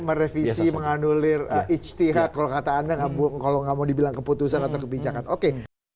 merevisi mengandulir ijtihad kalau kata anda kalau nggak mau dibilang keputusan atau kebincangan oke